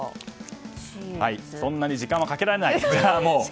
そんなに時間はかけられない。